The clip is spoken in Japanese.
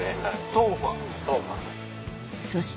ソンファ。